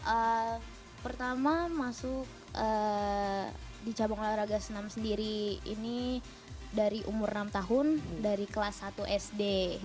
eee pertama masuk di cabang olahraga senam sendiri ini dari umur enam tahun dari kelas satu sd